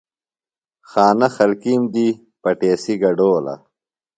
خانہ خلکیم دی پٹیسی گڈولہ۔